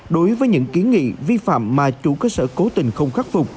đối với những kiến nghị vi phạm mà chủ cơ sở cố tình không khắc phục